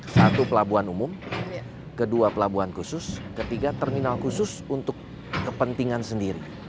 satu pelabuhan umum kedua pelabuhan khusus ketiga terminal khusus untuk kepentingan sendiri